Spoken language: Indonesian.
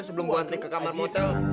sebelum gue antrik ke kamar motel